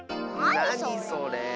なにそれ。